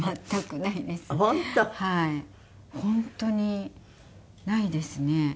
本当にないですね。